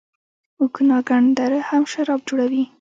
اوکاناګن دره هم شراب جوړوي.